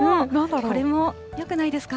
これもよくないですか。